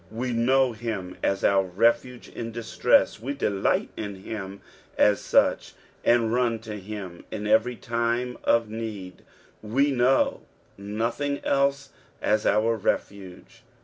We know him ss our refuge iu distress, we delight in him as such, and run to him in every time of need. We know nothing else as our refuge.